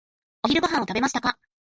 お昼ご飯を食べましたか？